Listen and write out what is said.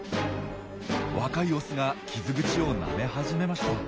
若いオスが傷口をなめ始めました。